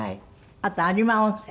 あと有馬温泉？